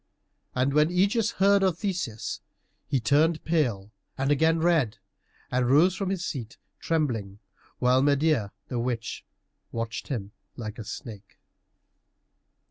And when Ægeus heard of Theseus he turned pale and again red, and rose from his seat trembling, while Medeia, the witch, watched him like a snake.